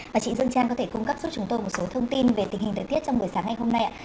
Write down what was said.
và chị dương trang có thể cung cấp cho chúng tôi một số thông tin về tình hình thời tiết trong buổi sáng ngày hôm nay ạ